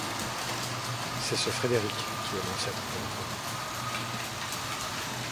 C'est ce Frédéric qui est l'ancêtre de la famille.